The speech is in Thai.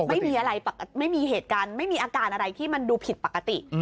ไม่มีอะไรไม่มีเหตุการณ์ไม่มีอาการอะไรที่มันดูผิดปกติ